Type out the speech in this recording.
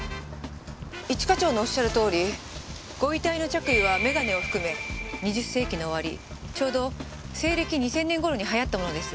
一課長のおっしゃるとおりご遺体の着衣は眼鏡を含め２０世紀の終わりちょうど西暦２０００年頃に流行ったものです。